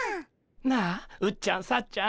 なあうっちゃんさっちゃん